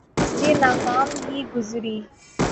اس لئے ناکام ہی گزری۔